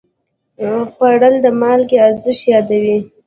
خوړل د مالګې ارزښت یادوي